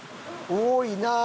多いなあ。